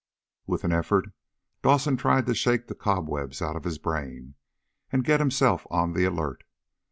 With an effort Dawson tried to shake the cobwebs out of his brain, and get himself on the alert.